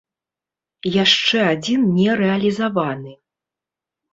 Яшчэ адзін не рэалізаваны.